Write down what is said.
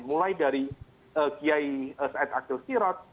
mulai dari qiyai sa'ad akhil sirot